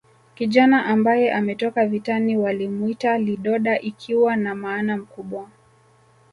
Kijana ambaye ametoka vitani walimwita lidoda ikiwa na maana mkubwa